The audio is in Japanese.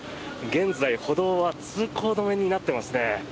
現在、歩道は通行止めになってますね。